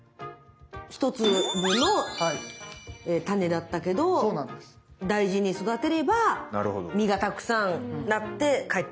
１粒の種だったけど大事に育てれば実がたくさんなって返ってくると。